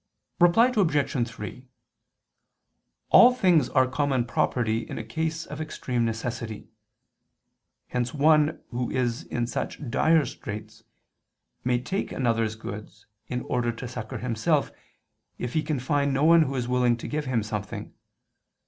Reply Obj. 3: All things are common property in a case of extreme necessity. Hence one who is in such dire straits may take another's goods in order to succor himself, if he can find no one who is willing to give him something.